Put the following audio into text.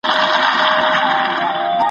که څوک منحرف سي نو درملنه یې پکار ده.